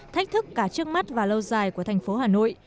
thách thức cả trước mắt và lâu dài của thành phố hà nội